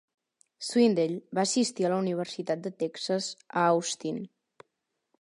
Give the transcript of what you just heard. Swindell va assistir a la Universitat de Texas a Austin.